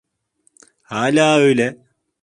Hâlâ öyle.